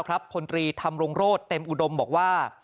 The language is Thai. พลตรีธรรมรงโรธเต็มอุดมบอกว่า